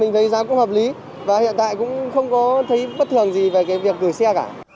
mình thấy giá cũng hợp lý và hiện tại cũng không có thấy bất thường gì về cái việc gửi xe cả